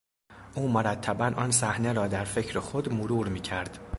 او مرتبا آن صحنه را در فکر خود مرور میکرد.